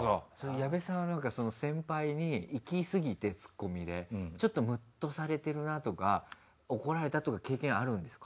矢部さんなんか先輩に行きすぎてツッコミでちょっとムッとされてるなとか怒られたとか経験あるんですか？